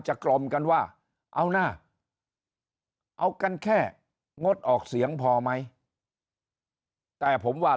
กลมกันว่าเอานะเอากันแค่งดออกเสียงพอไหมแต่ผมว่า